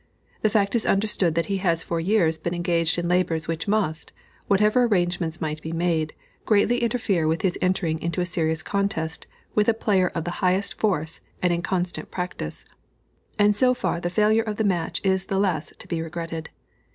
The fact is understood that he has for years been engaged in labors which must, whatever arrangements might be made, greatly interfere with his entering into a serious contest with a player of the highest force and in constant practice, and so far the failure of the match is the less to be regretted.